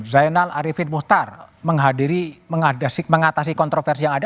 zainal arifin muhtar menghadiri mengatasi kontroversi yang ada